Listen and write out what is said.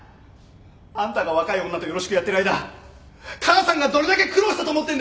あんたが若い女とよろしくやってる間母さんがどれだけ苦労したと思ってんだよ！